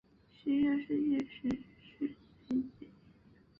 协调世界时是最接近格林威治标准时间的几个替代时间系统之一。